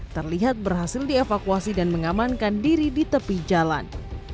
terlihat berhasil dievakuasi dan mengamankan diri di tepi jalan